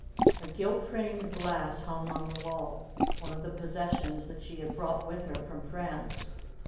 A gilt framed glass hung on the wall, one of the possessions that she had brought with her from France.